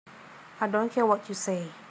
I don't care what you say.